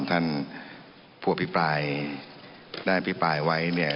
ท่านผู้อภิปรายได้อภิปรายไว้เนี่ย